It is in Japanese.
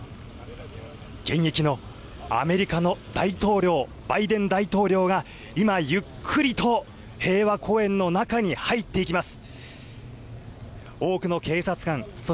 現役のアメリカの大統領、バイデン大統領が今、ゆっくりと平和公園の中に入っていきます。